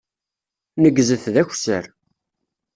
Neggzet d akessar.